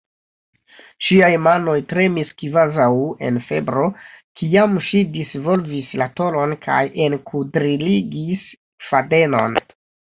Ŝiaj manoj tremis kvazaŭ en febro, kiam ŝi disvolvis la tolon kaj enkudriligis fadenon.